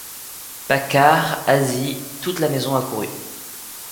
Paccard, Asie, toute la maison accourut.